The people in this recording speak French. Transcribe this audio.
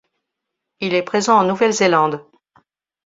Il est présent en Nouvelle-Zélande.